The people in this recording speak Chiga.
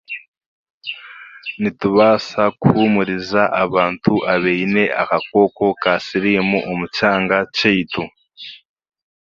Nitubaasa kuhuumuriza abantu abaine akakooko ka siriimu omu kyanga kyaitu